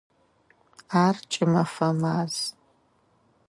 Ар кӏымэфэ маз.